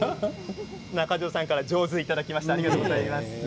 仲門さんから上手をいただきました。